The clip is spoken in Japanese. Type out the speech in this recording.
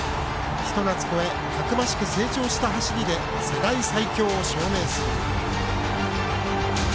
ひと夏越えたくましく成長した走りで世代最強を証明する。